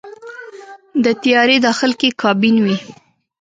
د طیارې داخل کې کابین وي.